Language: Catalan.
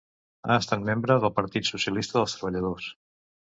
Ha estat membre del Partit Socialista dels Treballadors.